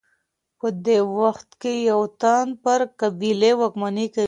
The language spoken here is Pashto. په دې وخت کي یو تن پر قبیلې واکمني کوي.